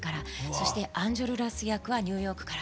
そしてアンジョルラス役はニューヨークから。